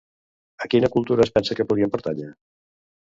A quina cultura es pensa que podrien pertànyer?